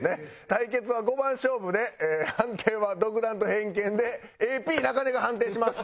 対決は５番勝負で判定は独断と偏見でＡＰ中根が判定します。